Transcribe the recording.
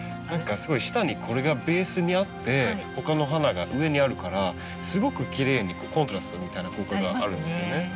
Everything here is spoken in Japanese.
何かすごい下にこれがベースにあって他の花が上にあるからすごくきれいにコントラストみたいな効果があるんですよね。